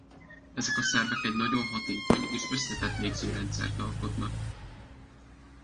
Ezek a szervek egy nagyon hatékony és összetett légzőrendszert alkotnak.